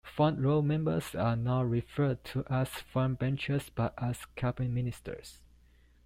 Front row members are not referred to as frontbenchers, but as cabinet ministers.